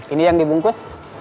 ini yang dibungkus